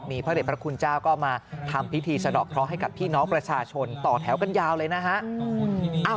พระเด็จพระคุณเจ้าก็มาทำพิธีสะดอกเคราะห์ให้กับพี่น้องประชาชนต่อแถวกันยาวเลยนะฮะ